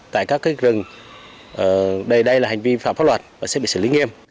tại các cái rừng đây đây là hành vi phá pháp luật và sẽ bị xử lý nghiêm